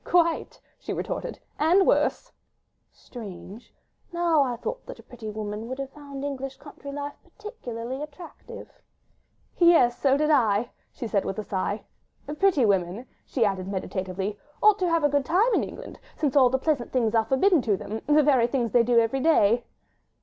"Quite," she retorted, "and worse." "Strange! Now, I thought that a pretty woman would have found English country life peculiarly attractive." "Yes! so did I," she said with a sigh. "Pretty women," she added meditatively, "ought to have a good time in England, since all the pleasant things are forbidden them—the very things they do every day."